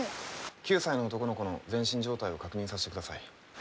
９歳の男の子の全身状態を確認させてください。